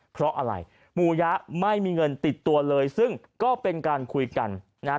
เพราะอะไรหมู่ยะไม่มีเงินติดตัวเลยซึ่งก็เป็นการคุยกันนะฮะ